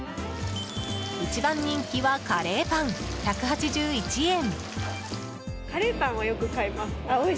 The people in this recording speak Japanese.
一番人気はカレーパン、１８１円。